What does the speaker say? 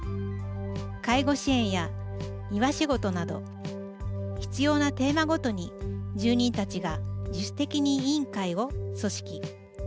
介護支援や庭仕事など必要なテーマごとに住人たちが自主的に委員会を組織。